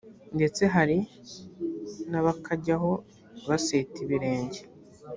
ndetse hari n abakajyaho baseta ibirenge